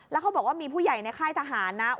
แล้วเขาบอกว่ามีผู้ใหญ่ในค่ายทหารนะ